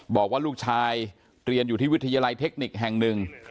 บอกว่าลูกชายเรียนอยู่ที่วิทยาลัยเทคนิคแห่งหนึ่ง